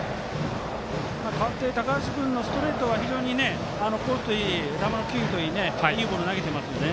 代わった高橋君のストレートはコースといい球の球威といいいいボール投げてますよね。